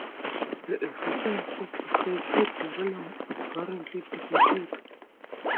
The existence of excited delirium is currently debated.